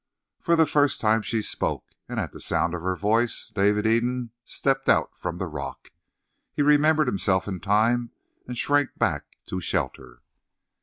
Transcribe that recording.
For the first time she spoke, and at the sound of her voice David Eden stepped out from the rock; he remembered himself in time and shrank back to shelter.